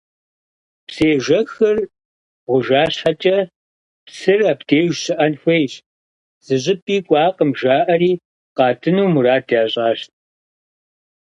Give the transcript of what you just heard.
Псыежэхыр гъужа щхьэкӏэ, псыр абдеж щыӏэн хуейщ, зыщӏыпӏи кӏуакъым жаӏэри, къатӏыну мурад ящӏащ.